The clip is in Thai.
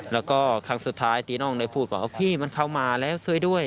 แล้วก็ครั้งสุดท้ายตีน้องได้พูดว่าพี่มันเข้ามาแล้วช่วยด้วย